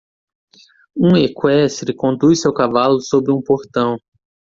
Um equestre conduz seu cavalo sobre um portão.